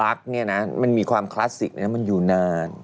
เขาเรียกว่ามีเอกลักษณ์นี่นะมันมีความคลาสสิกมันอยู่นาน